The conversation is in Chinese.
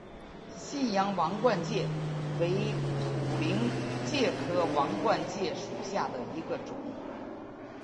信阳王冠介为土菱介科王冠介属下的一个种。